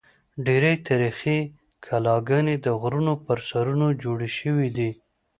ډېری تاریخي کلاګانې د غرونو پر سرونو جوړې شوې دي.